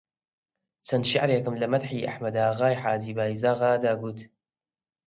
چەند شیعرێکم لە مەدحی ئەحمەداغای حاجی بایزاغادا گوت